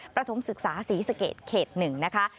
ประถมศึกษาศรีสเกตเขต๑นะคะ